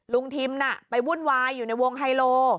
ทิมน่ะไปวุ่นวายอยู่ในวงไฮโล